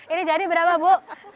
ini jadi berapa bu